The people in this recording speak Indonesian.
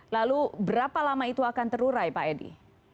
lalu berapa lama itu akan terurai pak edi